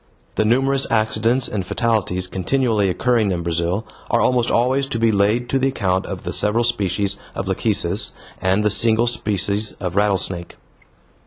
The numerous accidents and fatalities continually occurring in Brazil are almost always to be laid to the account of the several species of lachecis and the single species of rattlesnake.